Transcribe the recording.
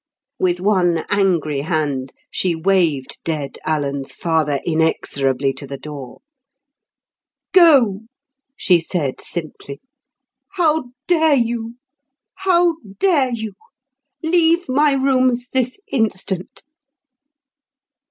With one angry hand she waved dead Alan's father inexorably to the door. "Go," she said simply. "How dare you? how dare you? Leave my rooms this instant."